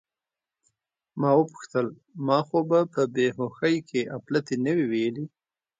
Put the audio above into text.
ما وپوښتل: زه خو به په بې هوښۍ کې اپلتې نه وم ویلي؟